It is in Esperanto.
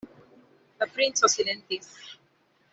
La princo silentis.